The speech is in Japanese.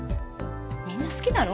みんな好きだろ？